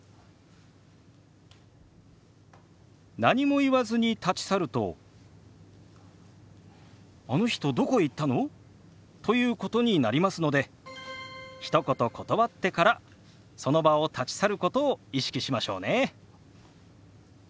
何も言わずに立ち去ると「あの人どこへ行ったの？」ということになりますのでひと言断ってからその場を立ち去ることを意識しましょうね。